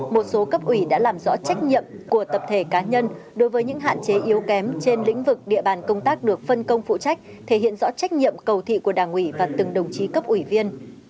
một số cấp ủy đã làm rõ trách nhiệm của tập thể cá nhân đối với những hạn chế yếu kém trên lĩnh vực địa bàn công tác được phân công phụ trách thể hiện rõ trách nhiệm cầu thị của đảng ủy và từng đồng chí cấp ủy viên